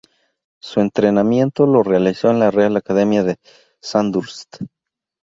Su entrenamiento lo realizó en la Real Academia de Sandhurst.